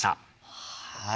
はい。